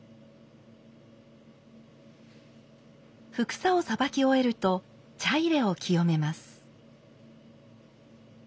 帛紗をさばき終えると茶入を清めます。